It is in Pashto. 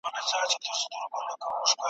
سوسیالیزم د ټولني د پرمختګ مخه نیسي.